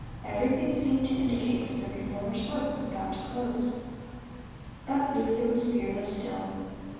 Everything seemed to indicate that the Reformer's work was about to close. But Luther was fearless still.